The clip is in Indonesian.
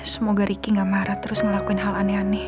semoga riki gak marah terus ngelakuin hal aneh aneh